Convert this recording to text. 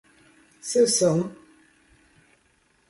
seção